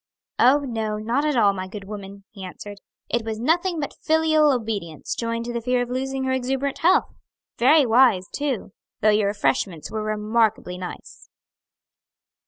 "Oh, no, not at all, my good woman!" he answered. "It was nothing but filial obedience joined to the fear of losing her exuberant health. Very wise, too, though your refreshments were remarkably nice."